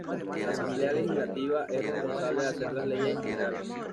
La Asamblea Legislativa es responsable de hacer las leyes en general.